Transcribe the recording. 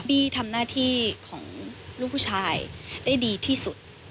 ทำหน้าที่ของลูกผู้ชายได้ดีที่สุด